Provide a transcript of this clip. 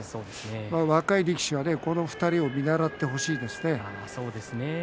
若い力士はこの２人を見習ってほしいと思いますね。